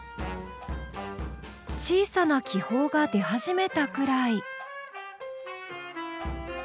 小さな気泡が出始めたぐらい。